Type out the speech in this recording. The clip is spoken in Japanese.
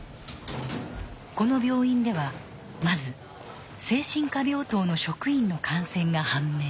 この病院ではまず精神科病棟の職員の感染が判明。